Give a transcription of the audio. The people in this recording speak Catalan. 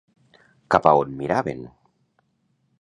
Cap a on miraven?